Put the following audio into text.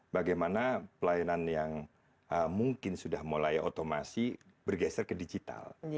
bagaimana pelayanan yang mungkin sudah mulai otomasi bergeser ke digital